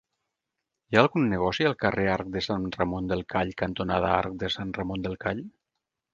Hi ha algun negoci al carrer Arc de Sant Ramon del Call cantonada Arc de Sant Ramon del Call?